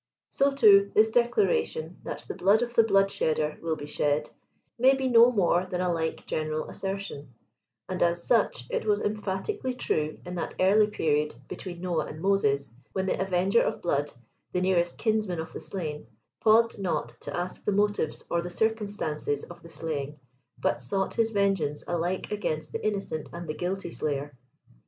So, too, this declaration that the blood of the blood'shedder will be shed, may be no more than a like general assertion ; and as such it was emphati cally true in that early period between Npah and Moses, when the avenger of blood, the nearest kinsman of the slain, paused not to ask the motives or the circumstances of the slaying, but sought his vengeance alike against the innocent and the guilty slayer.